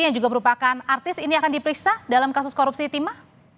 yang juga merupakan artis ini akan diperiksa dalam kasus korupsi timah